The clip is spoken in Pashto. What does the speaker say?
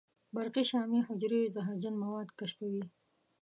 برقي شامي حجرې زهرجن مواد کشفوي.